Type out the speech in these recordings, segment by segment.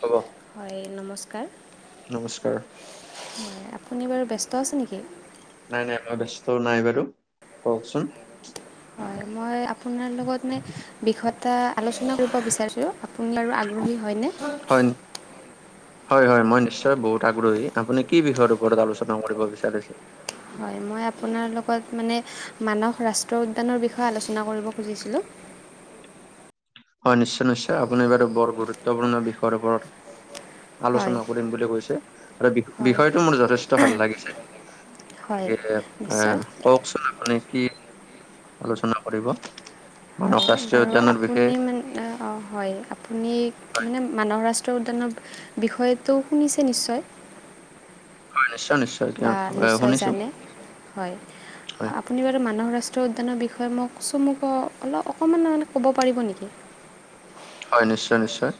হ'ব। হয় নমস্কাৰ। নমস্কাৰ। আপুনি বাৰু ব্যস্ত আছে নেকি? নাই নাই ব্যস্ত নাই বাৰু কওকচোন হয় মই আপোনাৰ লগত মানে বিষয় এটা আলোচনা কৰিব বিচাৰিছো আপুনি বাৰু আগ্ৰহী হয়নে। হয় নি- হয়, হয় মই নিশ্চয় বহুত আগ্ৰহী আপুনি কি বিষয়ৰ ওপৰত আলোচনা কৰিব বিচাৰিছে। হয়, মই আপোনাৰ লগত মানে মানস ৰাষ্ট্ৰ উদ্যানৰ বিষয়ে আলোচনা কৰিব খুজিছিলোঁ হয় নিশ্চয়, নিশ্চয় আপুনি বাৰু বৰ গুৰুত্বপূৰ্ণ বিষয়ৰ ওপৰত হয় আলোচনা কৰিম বুলি কৈছে আৰু হয় বিষয়টো মোৰ যথেষ্ট ভাল লাগিছে হয় নিশ্চয় আহ কওকচোন আপুনি কি আলোচনা কৰিব মানহ ৰাষ্ট্ৰীয় উদ্যানৰ বিষয়ে। অ', অ', হয় আপুনি মানে মান ৰাষ্ট্ৰীয় উদ্যানৰ বিষয়টো শুনিছে নিশ্চয়? হয়, নিশ্চয় নিশ্চয় কিয় বা নিশ্চয় শুনিছো। জানে হয়। হয় আপুনি বাৰু মানহ ৰাষ্ট্ৰীয় উদ্যানৰ বিষয়ে মোক চমুকৈ অলপ অকমান মানে ক'ব পাৰিব নেকি? হয়, নিশ্চয় নিশ্চয়।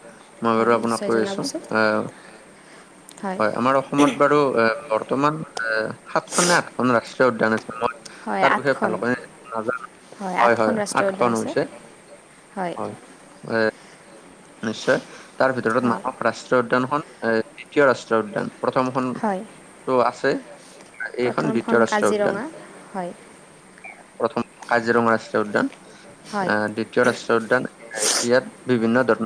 মই বাৰু হয় আপোনাক নিশ্চয় কৈ আছো, জনাবচোন হয় আমাৰ অসমত বাৰু বৰ্তমান সাতখন নে আঠখন ৰাষ্ট্ৰীয় উদ্যান আছে মই হয় তাৰ বিষয়ে আঠখন ভালকৈ নাজানো। হয় আঠখন হয় ৰাষ্ট্ৰীয় উদ্যান আঠখন আছে হৈছে। হয়। নিশ্চয় তাৰ ভিতৰত হয় মানাহ ৰাষ্ট্ৰীয় উদ্যানখন এ দ্বিতীয় ৰাষ্ট্ৰীয় উদ্যান। হয় প্ৰথমখনটো আছে এইখন প্ৰথমখন দ্বিতীয় ৰাষ্ট্ৰীয় উদ্যান। কাজিৰঙা হয় প্ৰথম কাজিৰঙা ৰাষ্ট্ৰীয় উদ্যান আহ দ্বিত ৰাষ্ট্ৰীয় উদ্যান ইয়াত বিভিন্ন ধৰ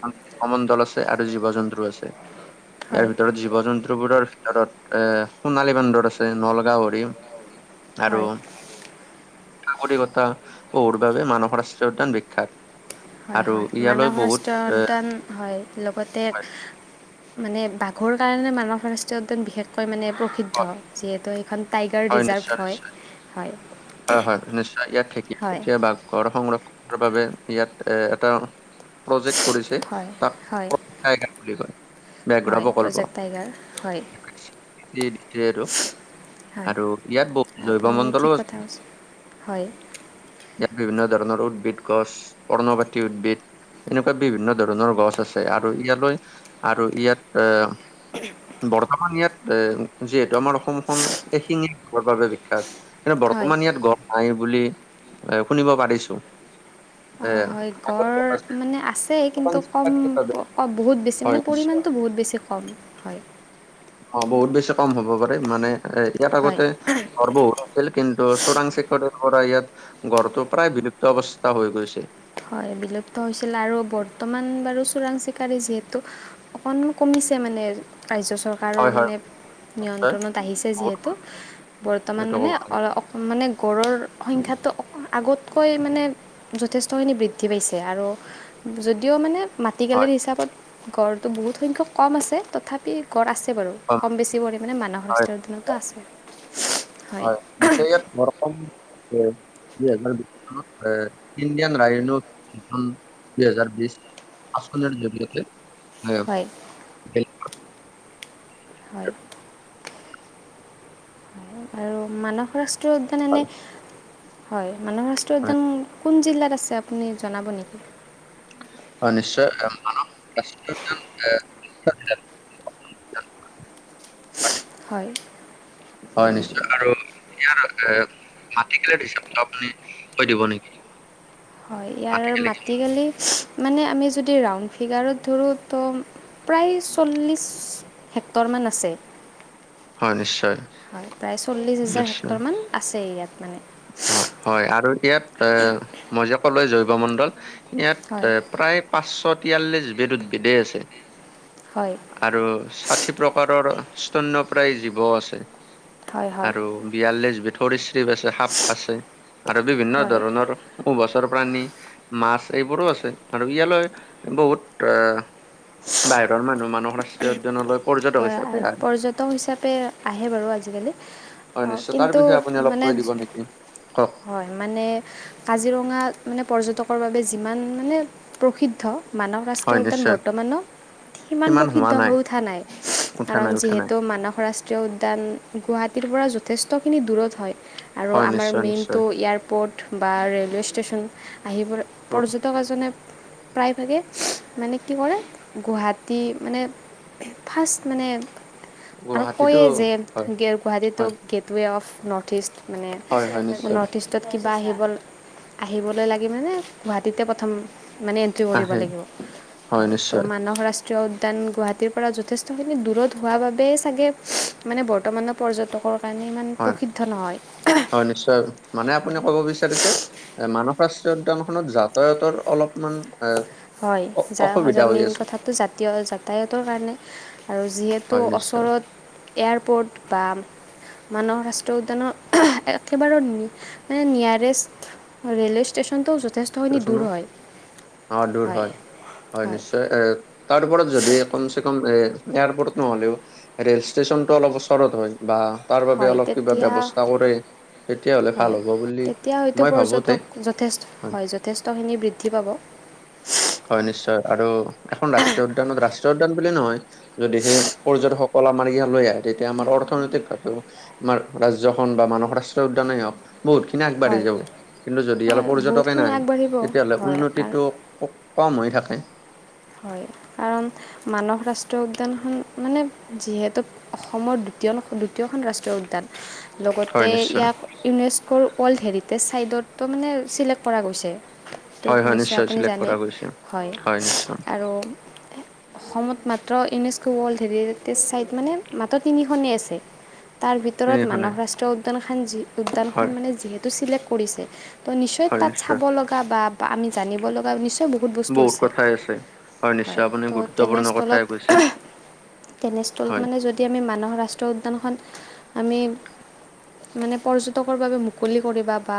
সমন্তল আছে আৰু জীৱ জন্তু আছে। ইয়াৰ ভিতৰত জীৱ জন্তু বস্তুবোৰৰ ভিতৰত এ সোণালী বান্দৰ আছে নল গাহৰি আৰু [unintelligible] বাবে মানাহ ৰাষ্ট্ৰীয় উদ্যান বিখ্যাত। হয় আৰু হয় ইয়ালৈ মানৱ বহুত ৰাষ্ট্ৰীয় এ উদ্যান হয়। লগতে হয় মানে বাঘৰ কাৰণে মানস ৰাষ্ট্ৰীয় বিশেষকৈ মানে প্ৰ নিষিদ্ধ হয় যিহেতু সেইখন টাইগাৰ হয়, ৰিজাৰ্ভ নিশ্চয় হয় নিশ্চয় হয়। হয়, হয় নিশ্চয় ইয়াত ঢেকীয়া হয় পটিয়া বাঘৰ সংৰক্ষণৰ বাবে ইয়াত এ এটা প্ৰজেক্ট কৰিছে হয় তাক হয় [unintelligible] বুলি কয় ব্যাঘ্য হয় প্ৰকল্প। প্ৰজেক্ট টাইগাৰ হয়। সেইটো হয় আৰু ইয়াত বহুত জৈৱ আপুনি ঠিক মণ্ডলো কথা আছে। কৈছে হয়। ইয়াত বিভিন্ন ধৰণৰ উদ্ভিদ গছ পৰ্ণপতি উদ্ভিদ। এনেকুৱা বিভিন্ন ধৰণৰ গছ আছে, আৰু ইয়ালৈ আৰু ইয়াত আহ বৰ্তমান ইয়াত এ যিহেতু আমাৰ অসমখন এ শিঙীয়া গড়ৰ বাবে বিখ্যাত। কিন্তু হয় বৰ্তমান ইয়াত গড় নাই বুলি এ শুনিব পাৰিছো। এ অ', হয়, আগত গড় পঞ্চাছ মানে আছে কিন্তু শতাংশ কম বহুত বেছি হয় মানে নিশ্চয়। পৰিমাণতটো বহুত বেছি কম হয়। অ', বহুত বেছি কম হ'ব পাৰে মানে এ ইয়াত আগতে হয় ঘৰ বহুত আছিল কিন্তু চোৰাং চিকাৰী পৰা ইয়াত গঁড়টো প্ৰায় বিলুপ্ত অৱস্থা হৈ গৈছে। হয়, বিলুপ্ত হৈছিল আৰু বৰ্তমান বাৰু চোৰাং চিকাৰী যিহেতু অকনমান কমিছে মানে কাৰ্য কাৰৰ হয় হয় মানে নিশ্চয় নিয়ন্ত্ৰণত আহিছে বহুত যিহেতু বৰ্তমান এইটো মানে ক'ব লাগে অ মানে গঁড়ৰ সংখ্যাটো অ' আগতকৈ মানে যথেষ্ট খিনি বৃদ্ধি পাইছে আৰু যদিও মানে হয় মাটিকালিৰ হিচাপত গঁড়টো বহুত সংখ্যক কম আছে তথাপি গঁড় আছে বাৰু। হয় কম বেছি পৰিমাণে মানাহ হয় ৰাষ্ট্ৰীয় উদ্যানতো আছে হয়। আ ইয়াত বৰ দুহেজাৰ বিশ চনত এ ইণ্ডিয়ান ৰাইন' এখন দুহেজাৰ বিশ আসনৰ জৰিয়তে। হয়। বেলেগ হয়। আৰু মানস ৰাষ্ট্ৰীয় উদ্যান এনে হয় হয় মানাহ ৰাষ্ট্ৰীয় হয় উদ্যান কোন জিলাত আছে আপুনি জনাব নেকি? অ', নিশ্চয় মানস ৰাষ্ট্ৰীয় উদ্যান [unintelligible] হয়। হয়, নিশ্চয় আৰু ইয়াৰ এ মাটি কালি হিচাপটো আপুনি কৈ দিব নেকি? হয় ইয়াৰ মাটিকালি মানে আমি যদি ৰাউণ্ড ফিগাৰত ধৰোঁ তো। প্ৰায় চল্লিছ হেক্টৰমান আছে। হয় নিশ্চয় হয় প্ৰায় চল্লিশ হাজাৰ নিশ্চয় হেক্টৰ মান আছে ইয়াত মানে। হয় হয় আৰু এতিয়াত এ মই যে কলো জৈৱ মণ্ডল। ইয়াত হয় প্ৰায় পাঁচশ তিয়াল্লিছবিদ উদ্ভিদে আছে হয় আৰু ষাঠি প্ৰকাৰৰ স্তন প্ৰায় জীৱও আছে হয় হয় আৰু বিয়াল্লিছ ভথৰি শ্ৰিপ আছে সাপ আছে আৰু বিভিন্ন হয় ধৰণৰ উভচৰ প্ৰাণী মাছ এইবোৰো আছে আৰু ইয়ালৈ বহুত আহ বাহিৰৰ মানুহ মানুহ হয় আৰু পৰ্যটন হিচাপে আহে বাৰু আজিকালি হয় অ নিশ্চয়, তাৰ কিন্তু বিষয়ে আপুনি অলপ মানে কৈ দিব নেকি? কওক, হয় মানে কাজিৰঙা মানে পৰ্যটকৰ বাবে যিমান মানে প্ৰসিদ্ধ মানৱ ৰাষ্ট্ৰীয় হয় উদ্যান নিশ্চয়, বৰ্তমানত সিমান প্ৰসিদ্ধ হৈ উঠা নাই উঠা কাৰণ নাই উঠা নাই, যিহেতু মানস ৰাষ্ট্ৰীয় ৰাষ্ট্ৰীয় উদ্যান গুৱাহাটীৰ পৰা যথেষ্টখিনি দূৰত হয় আৰু হয় আমাৰ নিশ্চয় নিশ্চয়। মেইনটো ইয়াৰ এয়াৰপ'ৰ্ট বা ৰে'লৱে ষ্টেচন আহিব তো কোৱা জনে প্ৰায়ভাগে মানে কি কৰে গুৱাহাটী মানে ফাৰ্ষ্ট মানে আৰু গুৱাহাটীতো কয়ে যে হয় গুৱাহাটীতো হয় gate gateway of north east মানে হয় হয় নিশ্চয় নৰ্থ ইষ্ট কিবা আহিব আহিবলৈ লাগি মানে গুৱাহাটীতে প্ৰথম মানে এন্ট্ৰি কৰিব আহে লাগিব হয় ত মানস ৰাষ্ট্ৰীয় উদ্যান গুৱাহাটী পৰা যথেষ্টখিনি দূৰত হোৱা বাবে চাগে মানে বৰ্তমানৰ পৰ্যটকৰ প্ৰাণী ইমান হয়। প্ৰসিদ্ধ নহয় হয় নিশ্চয় মানে আপুনি হয় ক'ব বিচাৰিছে এ মানৱ শাস্ত্ৰীয় উদ্যান খত যাতায়াতৰ অলপমান এ হয় অ অসুবিধা যাৰ হৈ মেইন আছে কথাটো জাতীয় যাতায়তৰ কাৰণে আৰু যিহেতু হয় নিশ্চয় ওচৰত এয়াৰপৰ্ট বা মানৱ ৰাষ্ট্ৰীয় উদ্যানৰ একেবাৰে মানে নিয়াৰেষ্ট ৰেলৱে ষ্টেশচনটোও যথেষ্টখিনি দেচোনো দূৰ হয় অ দূৰ হয় হয় নিশ্চয় এ তাৰ ওপৰত যদি কমচে কম এ এয়াৰপৰ্ট নহ'লেও ৰেল ষ্টেশচন টো অলপ ওচৰত হয় বা তাৰ বাবে হয় অলপ কিবা তেতিয়া ব্যৱস্থা কৰে তেতিয়াহ'লে ভাল হয় হ'ব বুলি তেতিয়া হয়তো মই ভাবোতে পৰ্যটক যথেষ্ট হয় যথেষ্ট যথেষ্ট খিনি বৃদ্ধি পাব হয় নিশ্চয় আৰু এখন ৰাষ্ট্ৰীয় উদ্যানত ৰাষ্ট্ৰীয় উদ্যান বুলি নহয় যদি সেই পৰ্যটকসকল আমাৰ ইয়াত লৈ আহে তেতিয়া আমাৰ অৰ্থনৈতিক ভাৱে ৰাজ্যখন বা মানস ৰাষ্ট্ৰ উদ্যানেই হওক বহুতখিনি আগবাঢ়ি হয় যাব কিন্তু যদি হয় পৰ্যটকে বহুতখিনি নাই আগবাঢ়িব তেতিয়াহ'লে হয় কাৰণ উন্নতিটো কম হৈ থাকে হয় কাৰণ মানৱ ৰাষ্ট্ৰীয় উদ্যানখন মানে যিহেতু অসমৰ দ্বিতীয় দ্বিতীয়খন ৰাষ্ট্ৰীয় উদ্যান হয় লগতে নিশ্চয় ইয়াক ইউনেস্ক ৱৰ্ল্ড হেৰিটেজ চাইটতটো মানে চিলেক্ট কৰা গৈছে টো হয় হয় নিশ্চয় আপুনি চিলেক্ট জানে কৰা গৈছে হয় আৰু অসমত মাত্ৰ ইউনেস্কো ৱৰ্ল্ড হেৰিেজ চাই মানে মাত্ৰ তিনিখনেই আছে তাৰ ভিতৰত তিনিখনে মানৱ ৰাষ্ট্ৰীয় উদ্যান খেন উদ্যান খন হয় মানে যিহেতু চিলেক্ট কৰিছে নিশ্চয় তাত চাব লগা বা আমি জানিব লগা নিশ্চয় বহুত বস্তু আছে কথাই হয় নিশ্চয় আপুনি ত গুৰুত্বপূৰ্ণ তেনেস্থলত কথাই কৈছে হয় মানে যদি এতিয়া আমি মানুহৰ ৰাষ্ট্ৰীয় উদ্যানখন আমি মানে পৰ্যটকৰ বাবে মুকলি কৰিব বা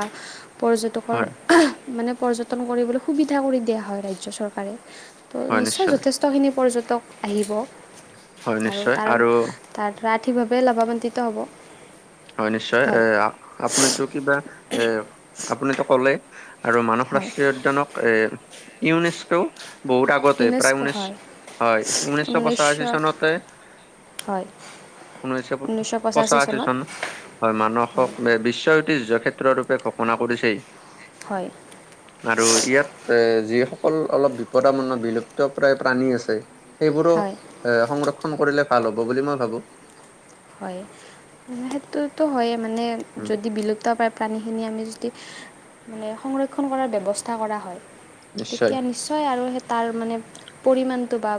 হয় পৰ্যটকৰ মানে পৰ্যটন কৰিবলৈ সুবিধা কৰি দিয়া হয় ৰাজ্য চৰকাৰে। ত' নিশ্চয় যথেষ্টখিনি পৰ্যটক আহিব হয় আৰু নিশ্চয় তাৰ তাৰপৰা ঠিকভাৱে লাভৱান্বিত হ'ব। হয় নিশ্চয় এ হয় আ-আপুনিতো কিবা এ আপুনিতো ক'লে। আৰু মানস হয় ৰাষ্ট্ৰীয় উদ্যানক এ ইউনেস্কও বহুত আগ আগতে প্ৰায় ইউনেস্ক' ঊনৈ হয় হয় ঊনৈছশ পঁচাশী চনতে। হয় ঊনৈশ ঊনৈছশ পচা পঁচাশী আছে চনত হয় মানসক হয় বিশ্ব ঐতিহ্য কেত্ৰ ৰূপে ঘোষণা কৰিছেই। হয়। আৰু ইয়াত এ যিসকল অলপ বিপদাম বিলুপ্ত প্ৰায় প্ৰাণী আছে। সেইবোৰো হয় এ সংৰক্ষণ কৰিলে ভাল হ'ব বুলি মই ভাবো। হয়, সেইটোতো হয় মানে উম যদি বিলু ত' প্ৰাণীখিনি আমি যদি মানে সংৰক্ষণ কৰাৰ ব্যৱস্থা কৰা হয়। নিশ্চয় তেতিয়া নিশ্চয় আৰু সেই তাৰ মানে পৰিমানটো বা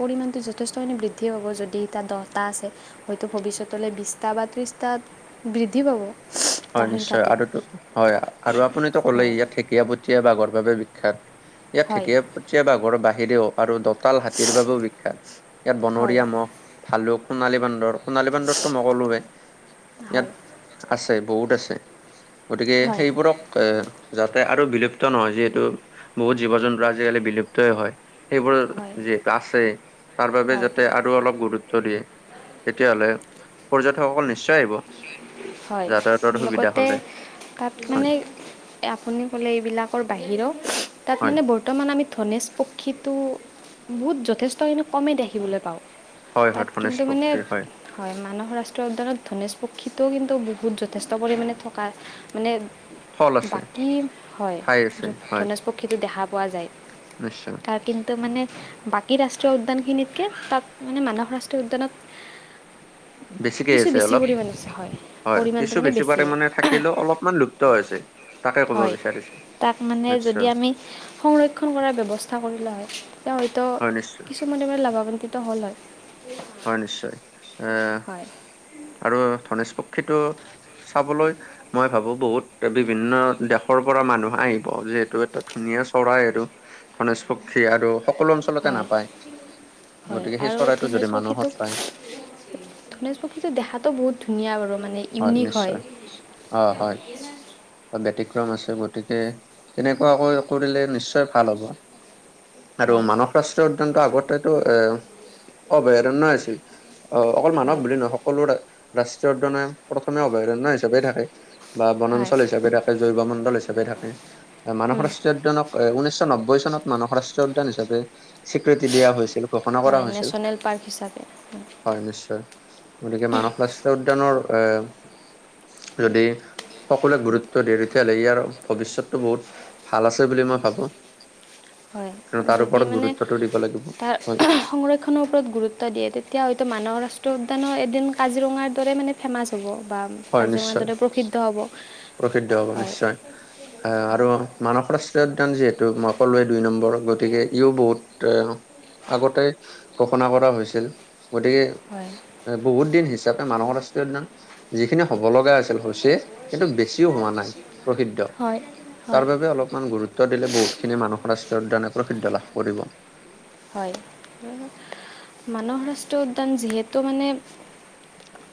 পৰিমণটো যথেষ্টখিনি বৃদ্ধি হব যদি তাত দহটা আছে। হয়তো ভৱিষ্যতলৈ বিছটা বা ত্ৰিছটাত বৃদ্ধি পাব। হয় তাৰ নিশ্চয় সংখ্যাটো আৰুটো হয় আৰু আপুনিতো ক'লেই হয় ইয়াত থিক ঢেঁকীয়াপতীয়া বাঘৰ বাবে বিখ্যাত, ইয়াত হয় ঢেঁকীয়াপতীয়া বাঘৰ বাহিৰেও আৰু দতাল হাতীৰ বাবেও বিখ্যাত, ইয়াত হয় বনৰীয়া মহ ভালুক সোণালী বান্দৰ সোণালী বান্দতটো নকলোৱে, ইয়াত হয় আছে বহুত আছে। গতিকে হয় সেইবোৰক এ যাতে আৰু বিলুপ্ত নহয় যিহেতু বহুত জীৱ জন্তু আজিকালি বিলুপ্তই হয়। সেইবোৰ হয় যিহেত আছে তাৰ বাবে হয় যাতে অলপ গুৰুত্ব দিয়ে, তেতিয়াহ'লে পৰ্যটকসকল নিশ্চয় আহিব। হয়, যাতায়াতৰ সুবিধা লগতে হ'লে তাত হয় মানে আপুনি কলে এইবিলাকৰ বাহিও তাত হয়। মানে বৰ বৰ্তমান আমি ধনেশ পক্ষীটো বহুত যথেষ্টখিনি কমেই দেখিবলৈ পাওঁ। হয় হয় তাত ধনেশ কিন্তু মানে পক্ষী হয় মানস ৰাষ্ট্ৰীয় উদ্যানত ধনেশ সক্ষীিতও কিন্তু বহুত যথেষ্ট পৰিমাণে থকা মানে ফল আছে বাকী হয় ঠাই আছে হয় ধনেজ পক্ষীতো দেখা পোৱা যায়, নিশ্চয় তাৰ কিন্তু মানে বাকী ৰাষ্ট্ৰীয় উদ্যান খিনিতকে তাত মানে মানস ৰাষ্ট্ৰীয় উদ্যানত বেছিকে কিছু আছে বেছি অলপ, পৰিমাণে হয় পৰিমাণটো কিছু মানে বেছি পাৰে মানে বেছিয়ে থাকিলেও অলপমান লুপ্ত হৈছে। তাকে ক'ব হয়, বিচাৰিছো তাক মানে যদি নিশ্চয় আমি সংৰক্ষণ কৰাৰ ব্যৱস্থা কৰিলে হয় তেওঁ হয়তো হয় নিশ্চয় কিছু [unintelligible] লাভৱান্বিত হ'ল হয়। হয় নিশ্চয়, এ আৰু ধনেশ পক্ষীটো চাবলৈ মই ভাবো বহুত বিভিন্ন দেশৰ পৰা মানুহ আহিব যিহেতু এটা ধুনীয়া চৰাই আৰু। ধনেশ পক্ষী আৰু সকলো অঞ্চলতে হয়, নাপায় হয়, গতিকে সেই আৰু চৰাইটো ধনেশ যদি পক্ষী তো মানুহত পায় ধনেশ পক্ষীটো দেখাতটো বহুত ধুনীয়া বাৰু মানে ইউনিক হয়। অ' হয়। ব্যতিক্ৰম আছে গতিকে তেনেকুৱাকৈ কৰিলে নিশ্চয় ভাল হ'ব। [inaudible] আৰু মানৱ ৰাষ্ট্ৰীয় উদ্যানটো আগতেতো এ অভয়াৰণয় আছিল। অ' অকল মানৱ হয় বুলি নহয় সকলো ৰাষ্ট্ৰীয় উদয়নে প্ৰথমে অভয়াৰণ্য হিচাপে থাকে। বা হয় বনাঞ্চল হিচাপে থাকে জৈৱ মণ্ডল হিচাপে থাকে উম, মানসৰ ৰাষ্টীয় উদ্যানক ঊনৈশ নব্বৈ চনত মানস ৰাষ্ট্ৰীয় উদ্যান হিচাপে স্বীকৃতি দিয়া হৈছিল ঘোষণা কৰা হৈছিল। নেল পাৰ্ক হিচাপে। হয় নিশ্চয়, গতিকে মানস ৰাষ্ট্ৰীয় উদ্যানৰ এ। যদি সকলোৱে গুৰুত্ব দিয়ে, তেতিয়াহ'লে ইয়াৰ ভৱিষ্যতটো বহুত। ভাল আছে বুলি মই ভাবোঁ। হয়, যদি মানে গুৰুত্বটো দিব লাগিব। তাৰ হয় সংৰক্ষণ - খনৰ ওপৰত গুৰুত্ব দিয়ে, তেতিয়া হয়তো মানাহ ৰাষ্ট্ৰীয় উদ্যানো এদিন কাজিৰঙাৰ দৰে মানে ফেমাছ হ'ব বা হয় কাজিৰঙাৰ নিশ্চয় দৰে প্ৰসিদ্ধ হ'ব, প্ৰসিদ্ধ হ'ব হয়। নিশ্চয়। আৰু মানাহ ৰাষ্ট্ৰীয় উদ্যান যিহেতু মই ক'লোৱেই দুই নম্বৰ, গতিকে ইও বহুত এ আগতে ঘোষণা কৰা হৈছিল, গতিকে হয়। বহুত দিন হিচাপে মানাহ ৰাষ্ট্ৰীয় উদ্যান যিখিনি হব লগা আছিল, হৈছে সেইটো বেছিও হোৱা নাই। প্ৰসিদ্ধ, হয় তাৰ হয় বাবে অলপমান গুৰুত্ব দিলে বহুত খিনি মানাহ ৰাষ্ট্ৰীয় উদ্যানে প্ৰসিদ্ধ লাভ কৰিব। হয়, মানাহ ৰাষ্ট্ৰীয় উদ্যান যিহেতু মানে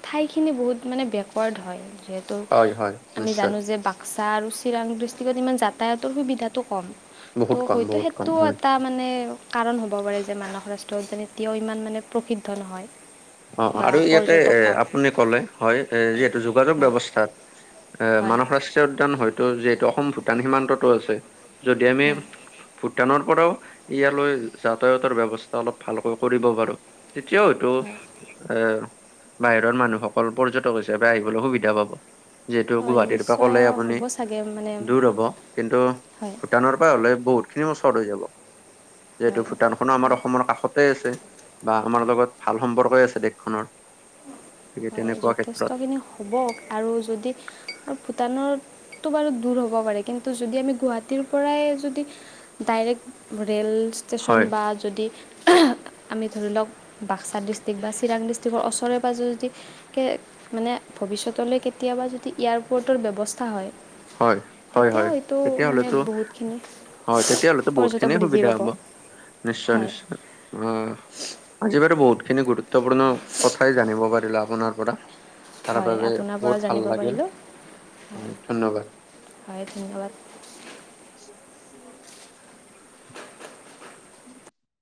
ঠাইখিনি বহুত মানে বেকৱাৰ্ড হয়, যিহেতু হয় হয় আমি নিশ্চয় জানো যে বাক্সা আৰু চিৰাং ডিষ্ট্ৰিক ইমান যাতায়াতৰ সুবিধাটো কম। বহুত ত' কম হয়তো বহুত কম সেইটো হয় এটা মানে, কাৰণ হ'ব পাৰে যে মানাহ ৰাষ্ট্ৰীয় উদ্যান এতিয়াও ইমান মানে প্ৰসিদ্ধ নহয়। অ', বা আৰু ইয়াতে পৰ্যটক এ কম আপুনি কলে হয়, এ যিহেতু যোগাযোগ হয় ব্যৱস্থাত এ হয় মানাহ ৰাষ্ট্ৰীয় উদ্যান হয়তো যিহেতু অসম ভূটান সীমান্ততো আছে, যদি আমি ভূটানৰ পৰাও ইয়ালৈ যাতায়াতৰ ব্যৱস্থা অলপ ভালকৈ কৰিব পাৰো এতিয়াও হইতো হয় এ বাহিৰৰ মানুহসকল পৰ্যটক হিচাপে আহিবলৈ সুবিধা পাব। যিহেতু হয় গুৱাহাটীৰ পৰা নিশ্চয় গ'লে আপুনি হ'ব চাগে মানে দূৰ হ'ব কিন্তু হয় ভূটানৰ হ'লে বহুত খিনি ওচৰ হৈ যাব। যিহেতু ভূটানখনো আমাৰ হয় অসমৰ কাষতে আছে। বা আমাৰ লগত ভাল সম্পৰ্কই আছে দেশখনৰ, গতিকে হয় তেনেকুৱা ক্ষেত্ৰত। যথেষ্টখিনি হ'ব আৰু যদি ভূটানৰ বাৰু দূৰ হ'ব পাৰে, কিন্তু যদি আমি গুৱাহাটীৰ পৰাই যদি ডাইৰেক্ট ৰে'ল ষ্টেচন হয় বা যদি, আমি ধৰি লওক বাক্সা ডিষ্ট্ৰিক্ বা চিৰাং ডিষ্ট্ৰ্ৰক ওচৰৰে-পাজৰে যদি মানে ভৱিষ্যতলৈ কেতিয়াবা যদি এয়াৰপৰ্টৰ ব্যৱস্থা হয়। হয়', হয়', তেতিয়া হয়' হয়তো মানে তেতিয়াহ'লেতো বহুতখিনি অ', তেতিয়াহলেতো বহুত পৰ্যটক খিনিয়ে বৃদ্ধি সুবিধা পাব হ'ব। নিশ্চয়, হয় নিশ্চয় অ'। আজি বাৰু বহুত খিনি গুৰুত্বপূৰ্ণ কথাই জানিব পাৰিলোঁ আপোনাৰ পৰা। তাৰ হয় বাবে আপোনাৰ পৰা বহুত ভাল জানিব লাগিল। পাৰিলোঁ হয়, ধন্যবাদ। হয় ধন্যবাদ। উম্,